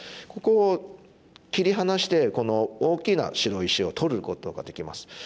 ここを切り離してこの大きな白石を取ることができます。